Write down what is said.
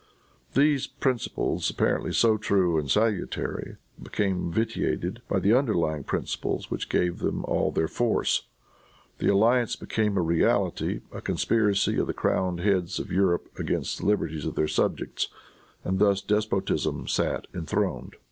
These principles, apparently so true and salutary, became vitiated by the underlying of principles which gave them all their force. The alliance became in reality a conspiracy of the crowned heads of Europe against the liberties of their subjects; and thus despotism sat enthroned.